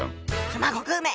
熊悟空め！